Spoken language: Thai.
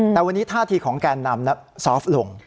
แต่วันนี้ท่าทีของแกนนำซอฟต์ลง